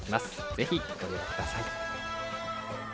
ぜひ、ご利用ください。